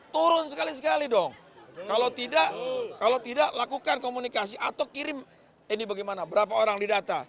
turun sekali sekali dong kalau tidak lakukan komunikasi atau kirim ini bagaimana berapa orang di data